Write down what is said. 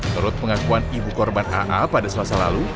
menurut pengakuan ibu korban aa pada selasa lalu